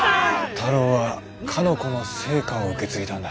太郎はかの子の聖火を受け継いだんだ。